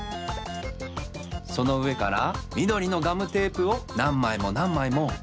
そのうえからみどりのガムテープをなんまいもなんまいもはりつけていきます。